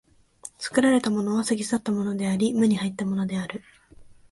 作られたものは過ぎ去ったものであり、無に入ったものである。